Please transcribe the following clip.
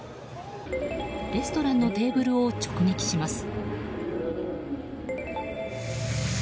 レストランのテーブルを直撃します。